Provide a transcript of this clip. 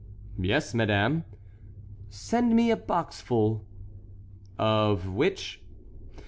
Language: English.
"Yes, madame." "Send me a boxful." "Of which?"